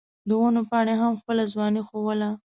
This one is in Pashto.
د ونو پاڼو هم خپله ځواني ښووله.